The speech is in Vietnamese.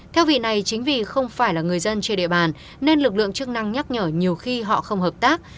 theo vị này chính vì không phải là người dân trên địa bàn nên lực lượng chức năng nhắc nhở nhiều khi họ không hợp tác